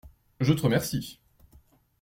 Je te remercie.